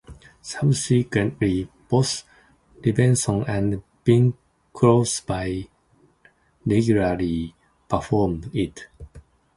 Subsequently, both Robeson and Bing Crosby regularly performed it.